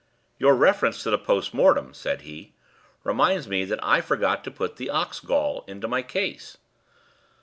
"Your reference to the post mortem," said he, "reminds me that I forgot to put the ox gall into my case."